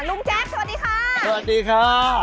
แจ๊คสวัสดีค่ะสวัสดีค่ะ